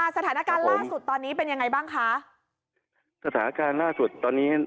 สถานการณ์ล่าสุดตอนนี้เป็นยังไงบ้างคะสถานการณ์ล่าสุดตอนนี้